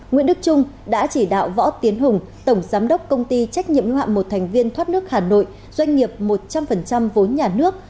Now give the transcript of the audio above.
nguyễn đức trung đã chỉ đạo võ tiến hùng tổng giám đốc công ty trách nhiệm hữu hạm một thành viên thoát nước hà nội doanh nghiệp một trăm linh vốn nhà nước